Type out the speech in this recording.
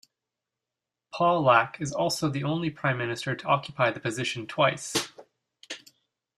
Pawlak is also the only prime minister to occupy the position twice.